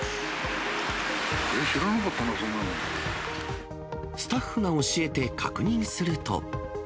え、知らなかったな、そんなスタッフが教えて確認すると。